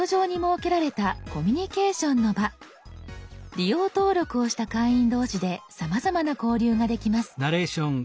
利用登録をした会員同士でさまざまな交流ができます。